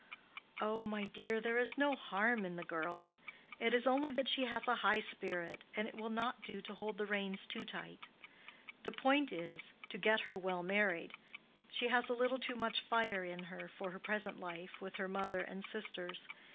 "Oh, my dear, there is no harm in the girl. It is only that she has a high spirit, and it will not do to hold the reins too tight. The point is, to get her well married. She has a little too much fire in her for her present life with her mother and sisters.